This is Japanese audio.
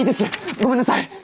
ごめんなさい！